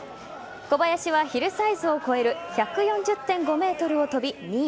小林はヒルサイズを越える１４０．５ｍを跳び、２位。